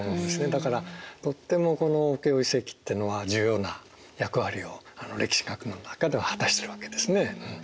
だからとってもこのオケオ遺跡ってのは重要な役割を歴史学の中では果たしているわけですね。